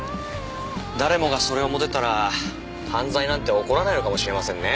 誰もがそれを持てたら犯罪なんて起こらないのかもしれませんね。